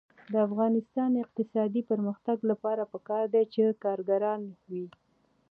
د افغانستان د اقتصادي پرمختګ لپاره پکار ده چې کارګران وي.